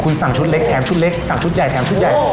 คุณสั่งชุดเล็กแถมชุดเล็กสั่งชุดใหญ่แถมชุดใหญ่